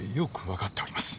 分かっております。